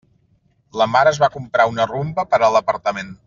La Mar es va comprar una Rumba per a l'apartament.